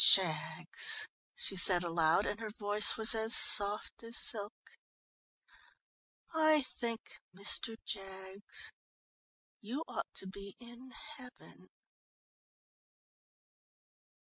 "Jaggs!" she said aloud, and her voice was as soft as silk. "I think, Mr. Jaggs, you ought to be in heaven."